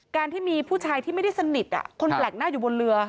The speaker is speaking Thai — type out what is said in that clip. การที่มีผู้ชายที่ไม่ได้สนิทคนแปลกหน้าอยู่บนเรือ